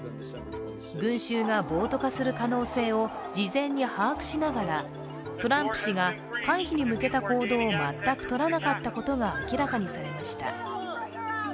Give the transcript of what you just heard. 群集が暴徒化する可能性を事前に把握しながら、トランプ氏が回避に向けた行動を全くとらなかったことが明らかにされました。